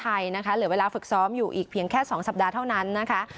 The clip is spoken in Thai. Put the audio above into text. ไทยนะคะเหลือเวลาฝึกซ้อมอยู่อีกเพียงแค่๒สัปดาห์เท่านั้นนะคะ